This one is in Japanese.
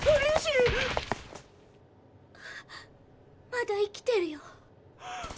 まだ生きてるよ。